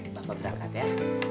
bapak berdekat ya